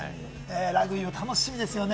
ラグビーも楽しみですよね。